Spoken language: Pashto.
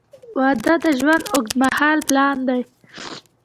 • واده د ژوند اوږدمهاله پلان دی.